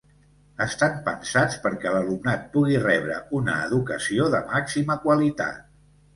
Estan pensats perquè l'alumnat pugui rebre una educació de màxima qualitat.